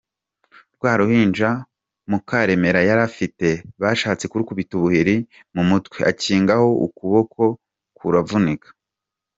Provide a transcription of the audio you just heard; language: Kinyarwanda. Rwa ruhinja Mukaremera yari afite bashatse kurukubita ubuhiri mu mutwe, akingaho ukuboko kuravunika.